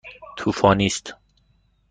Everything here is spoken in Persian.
طوفانی است.